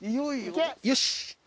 よし！